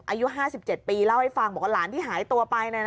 อายุ๕๗ปีเล่าให้ฟังบอกว่าหลานที่หายตัวไป